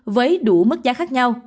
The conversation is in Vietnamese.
với đủ mức giá khác nhau